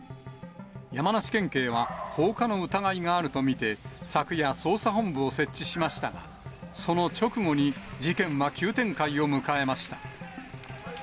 山梨県警は放火の疑いがあると見て、昨夜、捜査本部を設置しましたが、その直後に、事件は急展開を迎えました。